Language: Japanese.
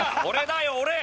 俺だよ俺。